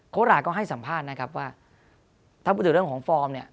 เขาราเกิดก็ให้สัมภาษณ์นะครับว่าถ้าพูดถึงเรื่องของฟอร์ม